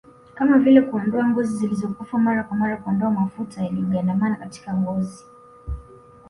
kama vile kuondoa ngozi zilizokufa mara kwa mara Kuondoa mafuta yaliyogandamana katika ngozi